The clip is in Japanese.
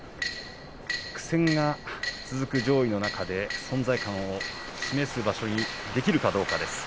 苦戦が続く上位の中で存在感を示す場所にできるかどうかです。